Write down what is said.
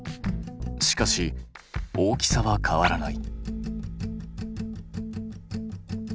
しかし大きさは変わらない。